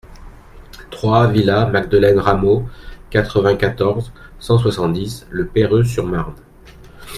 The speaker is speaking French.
trois villa Magdeleine Rameau, quatre-vingt-quatorze, cent soixante-dix, Le Perreux-sur-Marne